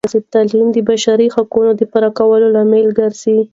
تعلیم د بشري حقونو د پوره کولو لامل ګرځي.